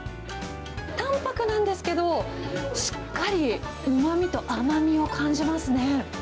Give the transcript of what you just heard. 淡泊なんですけど、しっかりうまみと甘みを感じますね。